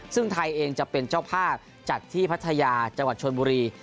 ซึ่งไทยเองจะเป็นเจ้าภาพจัดที่พัทยาจังหวัดชนบุรี